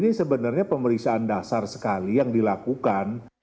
jadi ini sebenarnya pemeriksaan dasar sekali yang dilakukan